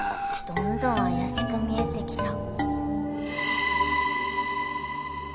どんどん怪しく見えてきた